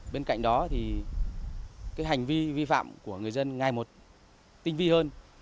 bên cạnh đó thì cái hành vi vi phạm của người dân ngày một tinh vi hơn